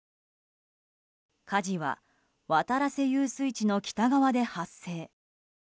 火事は渡良瀬遊水地の北側で発生。